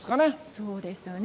そうですよね。